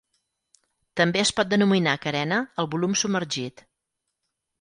També es pot denominar carena al volum submergit.